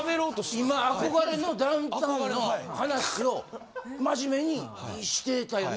今憧れのダウンタウンの話をマジメにしてたよね？